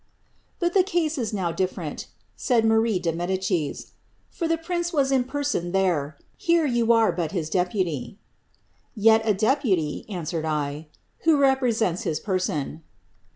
^^ But the case IS now di&rent," said Marie de Medicis, ^ for the prince was in person tliere; here yon are but his deputy." ^^Tet a deputy^" answered I, " who represents his person."